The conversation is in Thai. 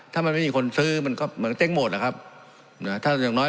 ถ้ามันไม่มีคนซื้อมันก็มันก็เจ๊งหมดนะครับนะถ้าอย่างน้อย